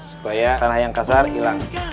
supaya tanah yang kasar hilang